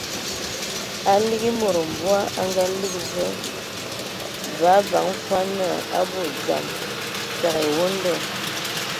A ligi e mod mbɔg a ngaligi va, və a vaŋa fɔɔ naa a abɔ dzam, təgə ai ewonda.